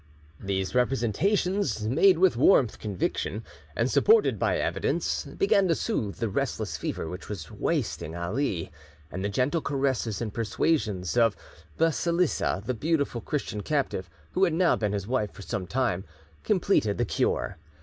These representations, made with warmth conviction, and supported by evidence, began to soothe the restless fever which was wasting Ali, and the gentle caresses and persuasions of Basillisa, the beautiful Christian captive, who had now been his wife for some time, completed the cure.